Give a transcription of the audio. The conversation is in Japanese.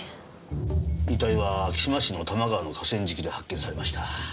遺体は昭島市の多摩川の河川敷で発見されました。